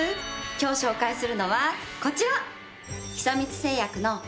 今日紹介するのはこちら！